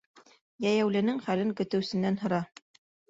Йәйәүленең хәлен көтөүсенән һора.